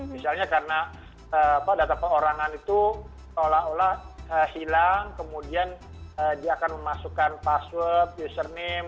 misalnya karena data perorangan itu seolah olah hilang kemudian dia akan memasukkan password username